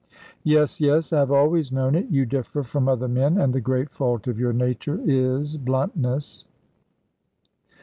"Yes, yes; I have always known it. You differ from other men; and the great fault of your nature is bluntness."